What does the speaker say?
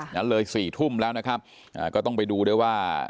งั้นเลย๔ทุ่มแล้วนะครับก็ต้องไปดูด้วยว่า